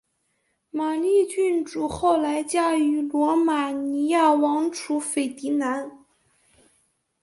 玛丽郡主后来嫁予罗马尼亚王储斐迪南。